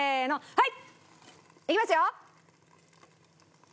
はい。